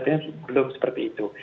ternyata belum seperti itu